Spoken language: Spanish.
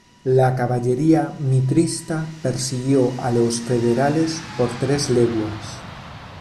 La caballería mitrista persiguió a los federales por tres leguas.